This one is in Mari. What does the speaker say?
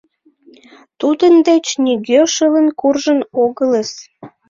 Тудын деч нигӧ шылын куржын огылыс.